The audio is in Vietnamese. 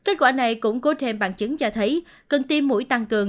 kết quả này cũng có thêm bằng chứng cho thấy cần tiêm mũi tăng cường